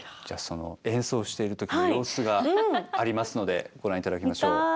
じゃあその演奏している時の様子がありますのでご覧いただきましょう。